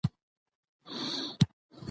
سړی د تجربو له لارې د ژوند مانا درک کوي